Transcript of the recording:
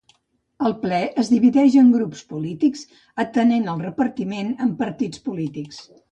El ple es divideix en grups polítics atenent al repartiment en partits polítics.